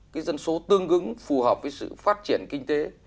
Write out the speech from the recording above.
cái dân số tương ứng phù hợp với sự phát triển kinh tế